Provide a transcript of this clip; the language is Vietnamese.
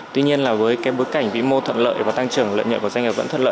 tuy nhiên là với cái bối cảnh vĩ mô thuận lợi và tăng trưởng lợi nhuận của doanh nghiệp vẫn thuận lợi